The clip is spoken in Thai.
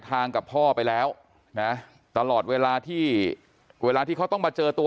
กับพ่อไปแล้วนะตลอดเวลาที่เวลาที่เขาต้องมาเจอตัว